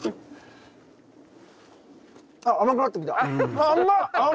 あっ甘くなってきた。